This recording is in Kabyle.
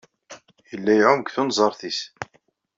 Yella iɛumm deg tunẓart-is.